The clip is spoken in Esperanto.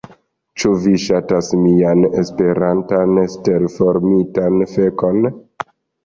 Ĉu vi ŝatas mian Esperantan stelformitan fekon?